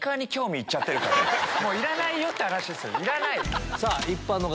もういらないよって話ですよねいらない。